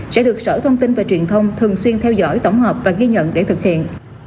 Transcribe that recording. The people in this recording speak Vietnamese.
sẽ được sở thông tin và truyền thông thường xuyên theo dõi tổng hợp và ghi nhận để thực hiện